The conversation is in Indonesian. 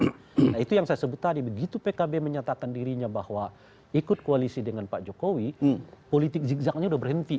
nah itu yang saya sebut tadi begitu pkb menyatakan dirinya bahwa ikut koalisi dengan pak jokowi politik zigzagnya sudah berhenti